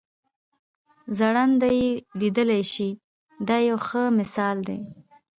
ړانده یې لیدلای شي دا یو ښه مثال دی.